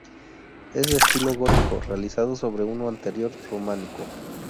Es de estilo gótico realizado sobre uno anterior románico.